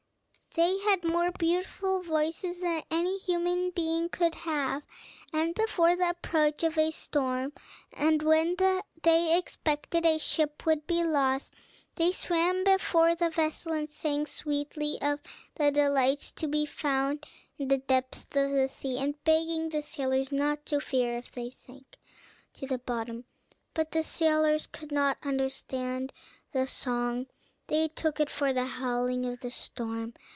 They had more beautiful voices than any human being could have; and before the approach of a storm, and when they expected a ship would be lost, they swam before the vessel, and sang sweetly of the delights to be found in the depths of the sea, and begging the sailors not to fear if they sank to the bottom. But the sailors could not understand the song, they took it for the howling of the storm.